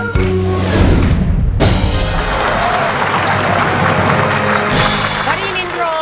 โอ้โห